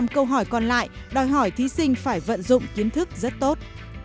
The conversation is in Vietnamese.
một mươi câu hỏi còn lại đòi hỏi thí sinh phải vận dụng kiến thức rất tốt